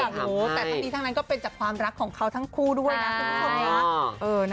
แต่ทั้งนี้ทั้งนั้นก็เป็นจากความรักของเขาทั้งคู่ด้วยนะคุณผู้ชมนะ